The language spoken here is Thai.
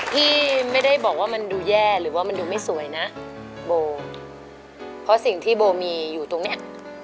พี่ไม่ได้บอกว่ามันดูแย่หรือว่ามันดูไม่สวยนะโบเพราะสิ่งที่โบมีอยู่ตรงเนี้ย